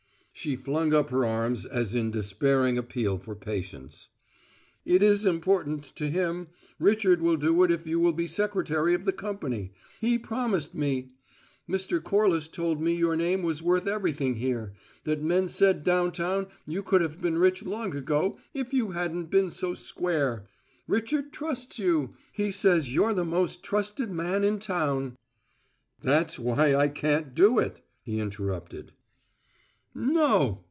She flung up her arms as in despairing appeal for patience. "It is important to him! Richard will do it if you will be secretary of the company: he promised me. Mr. Corliss told me your name was worth everything here: that men said downtown you could have been rich long ago if you hadn't been so square. Richard trusts you; he says you're the most trusted man in town " "That's why I can't do it," he interrupted. "No!"